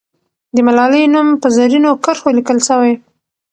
د ملالۍ نوم په زرینو کرښو لیکل سوی.